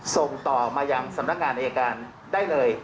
ส่งต่อมายังสำนักงานอายการได้เลย